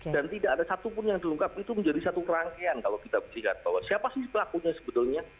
dan tidak ada satupun yang dilengkapi itu menjadi satu rangkaian kalau kita melihat bahwa siapa sih pelakunya sebetulnya